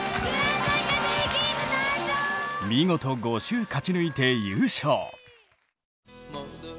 見事５週勝ち抜いて優勝。